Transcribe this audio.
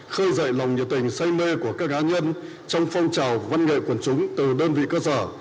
khơi dậy lòng nhiệt tình say mê của các cá nhân trong phong trào văn nghệ quần chúng từ đơn vị cơ sở